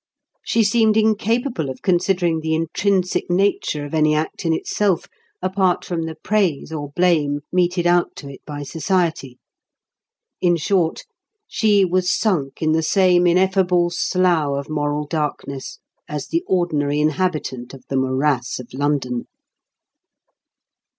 She seemed incapable of considering the intrinsic nature of any act in itself apart from the praise or blame meted out to it by society. In short, she was sunk in the same ineffable slough of moral darkness as the ordinary inhabitant of the morass of London.